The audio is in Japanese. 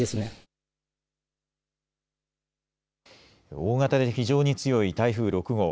大型で非常に強い台風６号。